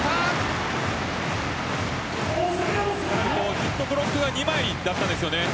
セットブロックは２枚だったんですよね。